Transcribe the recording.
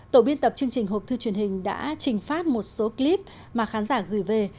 tổ biên tập chương trình hộp thư truyền hình đã trình phát một số clip mà khán giả gửi về